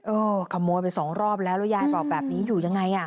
โอ้ขโมยไปสองรอบแล้วแล้วยายเปล่าแบบนี้อยู่ยังไง